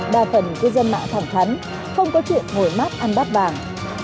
đa phần cư dân mạng thẳng thắn không có chuyện ngồi mắt ăn bát bàng